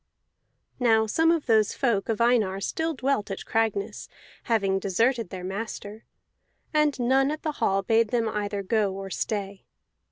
Now some of those folk of Einar still dwelt at Cragness, having deserted their master, and none at the hall bade them either go or stay.